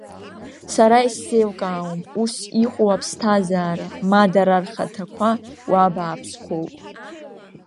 Сара исзеилкаауам, ус иҟоу аԥсҭазара, ма дара рхаҭақәа уаа бааԥсқәоу?